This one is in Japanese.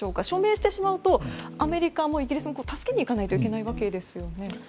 署名してしまうとアメリカもイギリスも助けに行かなきゃいけないわけですよね。